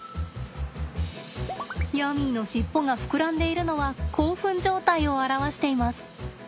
ヤミーの尻尾が膨らんでいるのは興奮状態を表しています。